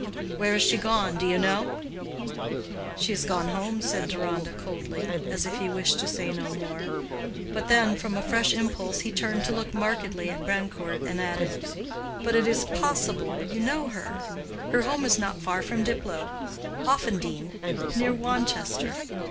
"Where is she gone—do you know?" "She is gone home," said Deronda, coldly, as if he wished to say no more. But then, from a fresh impulse, he turned to look markedly at Grandcourt, and added, "But it is possible you know her. Her home is not far from Diplow: Offendene, near Winchester."